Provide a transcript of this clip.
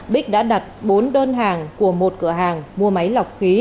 bích đã đặt bốn đơn hàng của một cửa hàng mua máy lọc khí